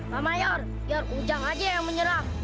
pak mayor biar ujang aja yang menyelam